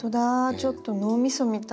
ちょっと脳みそみたい。